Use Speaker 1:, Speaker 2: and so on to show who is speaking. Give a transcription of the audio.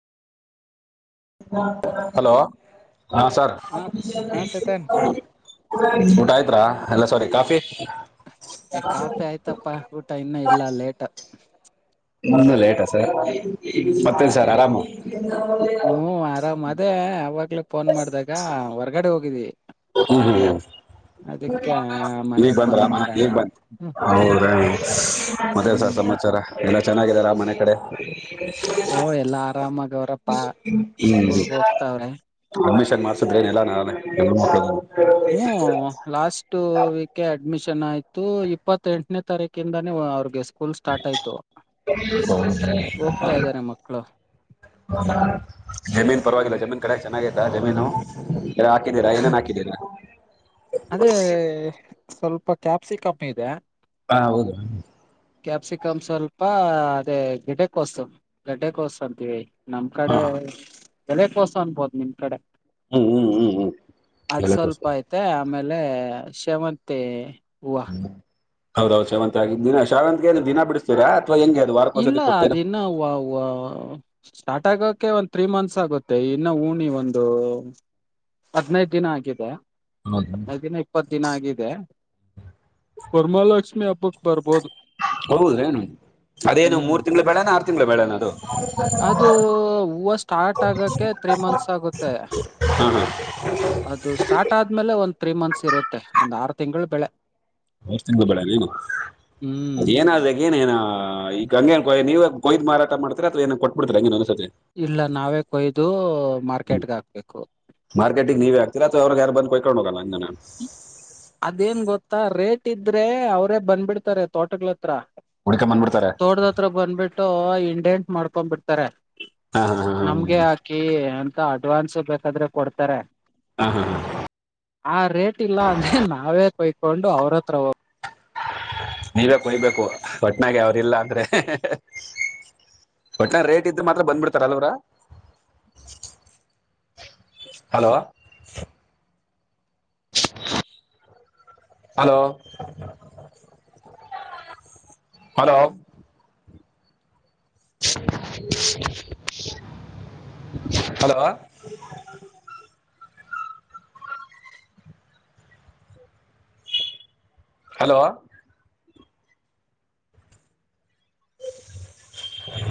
Speaker 1: Hello ಹಾ sir
Speaker 2: ಹ ಹ ಚೇತನ್
Speaker 1: ಊಟ ಆಯ್ತ್ರಾ ಅಲ್ಲ ಸಾರಿ ಕಾಫಿ
Speaker 2: ಏ ಕಾಫಿ ಆಯ್ತಪ್ಪ ಊಟ ಇನ್ನೂ ಇಲ್ಲ ಲೇಟ್
Speaker 1: ಮುನ್ನ ಲೇಟ್ ಸರ್
Speaker 2: ಹ್ಮ್
Speaker 1: ಮತ್ತೆನ್ ಸರ್ ಆರಾಮು
Speaker 2: ಹ್ಮ್ ಆರಾಮ ಅದೇ ಅವಾಗ್ಲ ಫೋನ್ ಮಾಡ್ದಾಗ ಹೊರ್ಗಡೆ ಹೋಗ್ ಇದೆ
Speaker 1: ಹ್ಮ್ ಹ್ಮ್ ಈಗ್
Speaker 2: ಮನೆಗ್ ಬಂದ್
Speaker 1: ಬಂದ್ರಾಮನ
Speaker 2: ಮಾಡೋಣ
Speaker 1: ಈಗ್ ಬಂದ
Speaker 2: ಅಂತ.
Speaker 1: ಹೌದ್ರ [unintelligible] ಮತ್ತೆನ್ ಸಾರ್
Speaker 2: ಹ್ಮ್
Speaker 1: ಸಮಾಚಾರ ಎಲ್ಲ ಚೆನ್ನಾಗಿದಾರಾ ಮನೆ ಕಡೆ
Speaker 2: ಓ ಎಲ್ಲಾ ಆರಾಮಾಗ ಅವ್ರಪ್ಪಾ ಸ್ಕೂಲ್ಗೆ ಹೋಗ್ತಾವ್ರೆ
Speaker 1: ಮಾಸತ್ರ ಎಲ್ಲ ನಳೆ
Speaker 2: ಹ್ಮ್ ಲಾಸ್ಟ್ ವೀಕ್ ಅಡ್ಮಿಷನ್. ಚೆನ್ನಾಯ್ತು ಇಪ್ಪತ್ತ ಎಂಟನೇ ತಾರೀಕಿಂದಾನೇ ಅವ್ರಿಗೆ. ಸ್ಕೂಲ್ ಸ್ಟಾರ್ಟ್ ಆಯ್ತು ಹೋಗ್ತಾ ಇದ್ದಾರೆ ಮಕ್ಕಳು
Speaker 1: ಜಮೀನ್ ಪರವಾಗಿಲ್ಲ
Speaker 2: ಹ್ಮ್
Speaker 1: ಜಮೀನ್ ಕಡೆ ಚೆನ್ನಾಗಿ. ರಾಜ ಜಮೀನುವು. ಎಲ್ಲ ಹಾಕಿದ್ದೀರಾಏನೇನ್ ಹಾಕಿದ್ದೀರಾ.
Speaker 2: ಅದೇ. ಸ್ವಲ್ಪ ಕ್ಯಾಪ್ಸಿಕಮ್ಮಿ ಇದೆ
Speaker 1: ಹಾ ಹೌದು.
Speaker 2: ಕ್ಯಾಪ್ಸಿಕಮ್ ಸ್ವಲ್ಪ ಅದೇ ಗಿಡ್ಡೆ ಕೋಸ್ತು ಗಡ್ಡೆ ಕೋಸ್ತು ಅಂತೀವಿ. ನಮ್ಮ್
Speaker 1: ಹಾ
Speaker 2: ಕಡೆ. ಬೆಲೆ ಕೋಸ ಅನ್ಬಹದು ನಿಮ್ ಕಡೆ.
Speaker 1: ಹ್ಮ್ ಹ್ಮ್ ಹ್ಮ್ ಹ್ಮ್
Speaker 2: ಅದ್
Speaker 1: ಎಲೆ
Speaker 2: ಸ್ವಲ್ಪ
Speaker 1: ಕೋಸು
Speaker 2: ಐತೆ ಆಮೇಲೆ ಶಮತ್ತ. ಹೂವ
Speaker 1: ಹೌದೌದು ಶಾವಂತತ್ ದಿನ ಶಾವಂತ್ ಏ ದಿನ ಬಿಡ್ತೀರಾ.
Speaker 2: ಇಲ್ಲ ಅದನ್ನ ವ್ ವ್ ಸ್ಟಾರ್ಟ್ ಆಗೋಕೆ ಒಂದ್ ತ್ರೀ ಮಂತ್ಸ್ ಆಗುತ್ತೆ ಇನ್ನು ಊಣಿ ಒಂದು ಹದನೈದು ದಿನ ಆಗಿದೆ ಹದನೈದು ದಿನ ಇಪ್ಪತ್ ದಿನ ಆಗಿದೆ. ವರಮಾಲಕ್ಷ್ಮಿ ಅಬ್ಬು ಅಕ್ಬಾರಬಹದು.
Speaker 1: ಹೌದ ಏನು ಅದೇನು ಮೂ
Speaker 2: ಹ್ಮ್
Speaker 1: ತಿಂಗಳು ಬೇಡ. ಆರ್ ತಿಂಗಳು ಬೆಳೆ ನಾ ಅದು. ಹಾ
Speaker 2: ಅದು ಹೂವು ಸ್ಟಾರ್ಟ್ ಆಗಕ್ಕೆ ತ್ರೀ ಮಂತ್ಸ್ ಆಗುತ್ತೆ
Speaker 1: ಹಾ
Speaker 2: ಅದು ಸ್ಟಾರ್ಟ್ ಆದ್ಮೇಲೆ ಒಂದ್ ತ್ರೀ ಮಂತ್ಸ್ ಇರುತ್ತೆ ಒಂದ್ ಆರು ತಿಂಗಳು ಬೆಳೆ.
Speaker 1: ಅವಷ್ಟ ತಿಂದ ಬೇಡಣೇನು
Speaker 2: ಹ್ಮ್
Speaker 1: ಅದ ಏನ ಅದ ಏನ ಏನ ಹ ಈಗ ಹಂಗೆ ನೀವು ಕೊಯ್ ಮಾರಾಟ ಮಾಡ್ತೀ ಅಥವಾ ಏನ್ ಕೊಬಿಡ್ತೀ.
Speaker 2: ಇಲ್ಲ ನಾವೇ ಕೊಯ್ದು ಮಾರ್ಕೆಟ್ಗ ಹಾಕ್ಬೇಕು
Speaker 1: ತಿರ ಅವ್ರು ಯಾರ ಬಂದು್ಕೊಂಡೋಗಲ್ಲ.
Speaker 2: ಅದೇನ್ ಗೊತ್ತಾ ರೇಟ್. ಇಟ್ಟಿದ್ರೆ ಅವ್ರೇ ಬಂದ್ಬಿಡ್ತಾರೆ ತೋಟಗಳತ್ರ.
Speaker 1: ಹುಡ್ಕೊಂಡ್ ಬಂದ್ಬಿಡ್ತಾರೆ
Speaker 2: ತೊಟದ ಹತ್ರ ಬಂದ್ಬಿಟ್ಟು ಇಂ ಡೇಂಟ್ ಮಾಡ್ಕೊಂಡ್ ಬಿಡ್ತಾರೆ.
Speaker 1: ಹಾ ಹಾ ಹಾ
Speaker 2: ನಮ್ಗೆ ಹಾಕಿ ತ ಅಡ್ವಾನ್ಸ್ ಬೇಕಾದ್ರೆ ಕೊಡ್ತಾರೆ.
Speaker 1: ಹಾ ಹಾ ಹ
Speaker 2: ಆ ರೇಟ್ ಇಲ್ಲ ಅಂದ್ರೆ ನಾವೇ ಕೊಯ್ಕೊಂಡು ಅವ್ರತ್ರ ಹೋ
Speaker 1: ನೀವೆ ಕೊಯ್ಬೇಕು ಒಟ್ನಾಗೆ ಅವ್ರಿಲ್ಲ ಅಂದ್ರೆ ಹ್ ಹ್ ಹ್ ಒಟ್ನಾಗ ರೇಟ್ ಇದ್ರ್ ಮಾತ್ರ ಬಂದ್ಬಿಡ್ತಾರ ಅಲ್ವರ hello. Hello hello hello hello